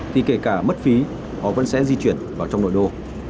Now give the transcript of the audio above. thì kể cả mất phí họ vẫn sẽ di chuyển vào trong nội đô